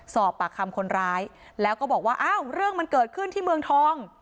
สอบปากคำคนร้ายแล้วก็บอกว่าอ้าวเรื่องมันเกิดขึ้นที่เมืองทอง